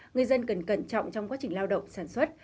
người dân cần cẩn trọng trong quá trình lao động sản xuất